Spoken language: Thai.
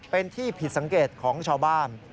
เป็นที่ผิดสังเกตของชาวบ้าน